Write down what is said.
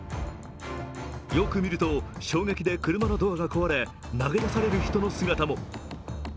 よく見ると、衝撃で車のドアが壊れ、投げ出される人の姿も。